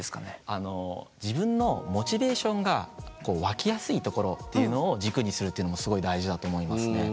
あの自分のモチベーションがこう湧きやすいところっていうのを軸にするっていうのもすごい大事だと思いますね。